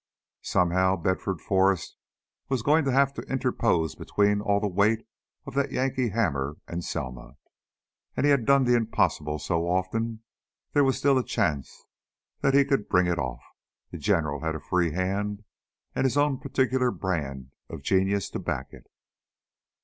Somehow Bedford Forrest was going to have to interpose between all the weight of that Yankee hammer and Selma. And he had done the impossible so often, there was still a chance that he could bring it off. The General had a free hand and his own particular brand of genius to back it.